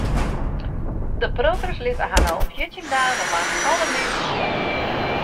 De protters litte har no al fjirtjin dagen lang alle middeis sjen.